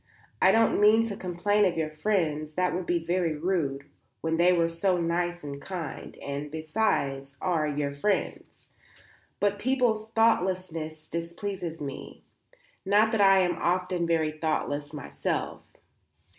I don't mean to complain of your friends; that would be very rude when they were so nice and kind; and, besides, are your friends. But people's thoughtlessness displeases me, not that I am not often very thoughtless myself."